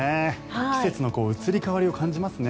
季節の移り変わりを感じますよね。